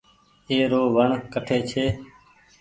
اي رو وڻ ڪٺي ڇي۔